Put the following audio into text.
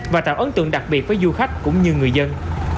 và tạo ấn tượng đặc biệt với du khách cũng như người dân